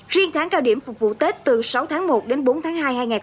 riêng tháng cao điểm phục vụ tết từ sáu tháng một đến bốn tháng hai hai nghìn hai mươi